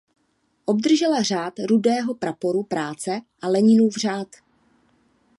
Obdržela Řád rudého praporu práce a Leninův řád.